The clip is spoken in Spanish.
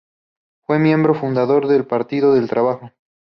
Fue miembro fundador del Partido del Trabajo.